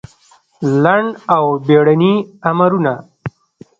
لنډ او بېړني امرونه